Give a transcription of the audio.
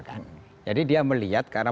kan jadi dia melihat karena